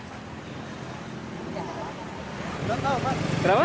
tidak tahu pak